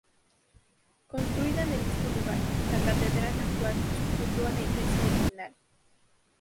Construida en el mismo lugar, la catedral actual sustituyó a la iglesia original.